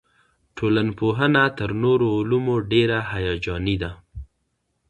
ټولنپوهنه تر نورو علومو ډېره هیجاني ده.